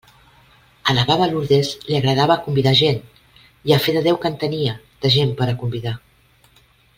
A la baba Lourdes li agradava convidar gent i, a fe de Déu que en tenia, de gent per a convidar.